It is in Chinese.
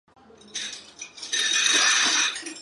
殿试登进士第三甲第一百三十九名。